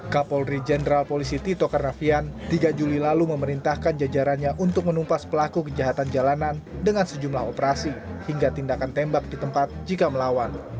kapolri jenderal polisi tito karnavian tiga juli lalu memerintahkan jajarannya untuk menumpas pelaku kejahatan jalanan dengan sejumlah operasi hingga tindakan tembak di tempat jika melawan